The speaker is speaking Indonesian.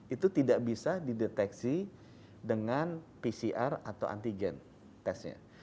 itu tidak bisa dideteksi dengan pcr atau antigen testnya